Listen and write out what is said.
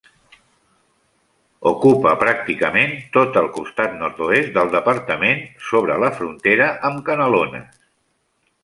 Ocupa pràcticament tot el costat nord-oest del departament, sobre la frontera amb Canelones.